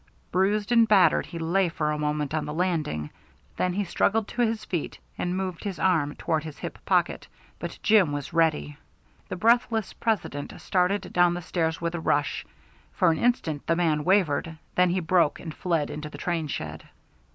Bruised and battered, he lay for a moment on the landing, then he struggled to his feet and moved his arm toward his hip pocket, but Jim was ready. The breathless President started down the stairs with a rush. For an instant the man wavered, then he broke and fled into the train shed.